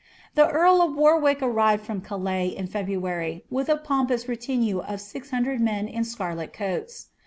Thr earl of Warwick arrived from Calais in February, with a pompous re Imue of SIX hundred men in scarltrl coats.